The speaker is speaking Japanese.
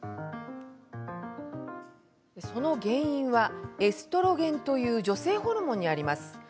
その原因は、エストロゲンという女性ホルモンにあります。